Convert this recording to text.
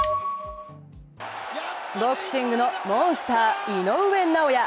ボクシングのモンスター、井上尚弥。